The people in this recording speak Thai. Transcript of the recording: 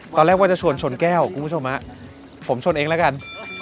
ว่าจะชวนชนแก้วคุณผู้ชมฮะผมชนเองแล้วกัน